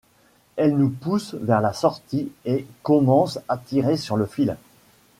Elle nous pousse vers la sortie et commence `a tirer sur le fil.